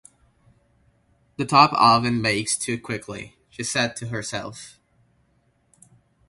"The top oven bakes too quickly," she said to herself.